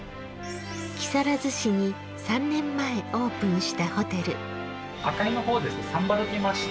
木更津市に３年前オープンしたホテル。